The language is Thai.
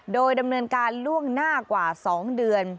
โดยดำเนินการล่วงหน้ากว่า๒เดือน